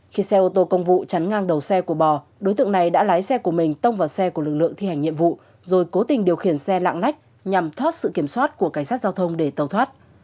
khi xe ô tô công vụ chắn ngang đầu xe của bò đối tượng này đã lái xe của mình tông vào xe của lực lượng thi hành nhiệm vụ rồi cố tình điều khiển xe lạng lách nhằm thoát sự kiểm soát của cảnh sát giao thông để tàu thoát